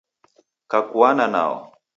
Kakuana nao